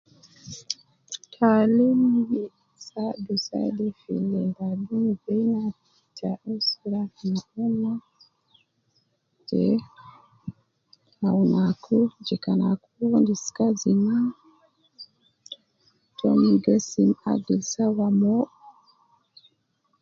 Taalim gi saadu saade fi lim badum tena ta usra tena, te awun aju je kan aku endis kazi ma, tom gi gesim agil sawa mo